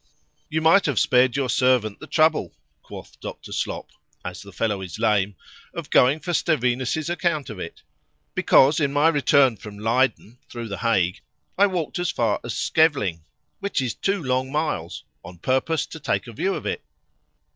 You might have spared your servant the trouble, quoth Dr. Slop (as the fellow is lame) of going for Stevinus's account of it, because in my return from Leyden thro' the Hague, I walked as far as Schevling, which is two long miles, on purpose to take a view of it.